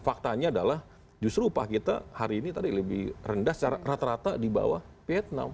faktanya adalah justru upah kita hari ini lebih rendah secara rata rata dibawah vietnam